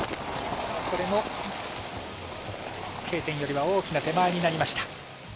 Ｋ点よりは大きく手前になりました。